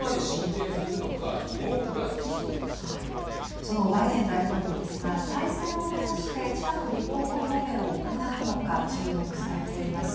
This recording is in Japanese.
そのバイデン大統領ですが再選を目指して近く立候補表明を行うのか注目されています。